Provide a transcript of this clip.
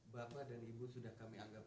bapak dan ibu sudah kami anggap